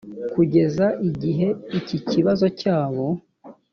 kugeza igihe iki kibazo cyabo